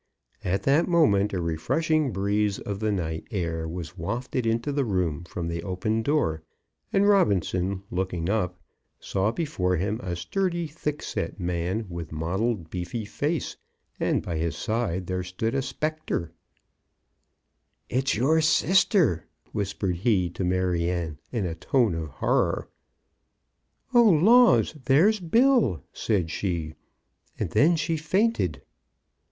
At that moment a refreshing breeze of the night air was wafted into the room from the opened door, and Robinson, looking up, saw before him a sturdy, thickset man, with mottled beefy face, and by his side there stood a spectre. "It's your sister," whispered he to Maryanne, in a tone of horror. "Oh, laws! there's Bill," said she, and then she fainted.